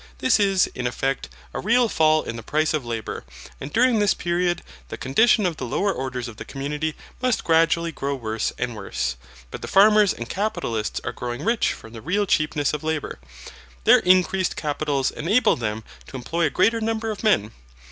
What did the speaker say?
This is, in effect, a real fall in the price of labour, and during this period the condition of the lower orders of the community must gradually grow worse and worse. But the farmers and capitalists are growing rich from the real cheapness of labour. Their increased capitals enable them to employ a greater number of men.